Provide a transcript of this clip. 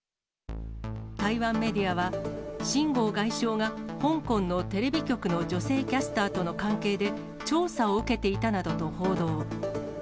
台湾メディアは、秦剛外相が、香港のテレビ局の女性キャスターとの関係で、調査を受けていたなどと報道。